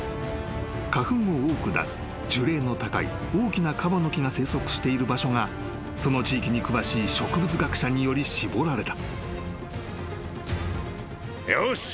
［花粉を多く出す樹齢の高い大きなカバノキが生息している場所がその地域に詳しい植物学者により絞られた］